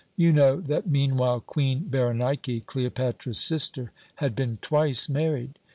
You know that meanwhile Queen Berenike, Cleopatra's sister, had been twice married.